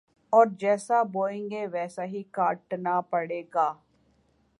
، اور جیسا بوئیں گے ویسا ہی کاٹنا پڑے گا